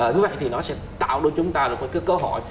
với vậy thì nó sẽ tạo ra cho chúng ta được cái cơ hội